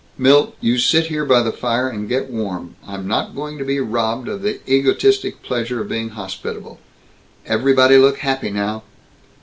"Milt, you sit here by the fire and get warm. I'm not going to be robbed of the egotistic pleasure of being hospitable. Everybody look happy now!"